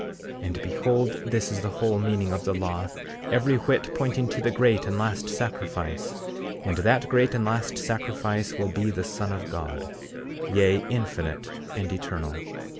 34:14 And behold, this is the whole meaning of the law, every whit pointing to that great and last sacrifice; and that great and last sacrifice will be the Son of God, yea, infinite and eternal.